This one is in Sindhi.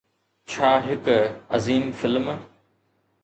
ڇا هڪ عظيم فلم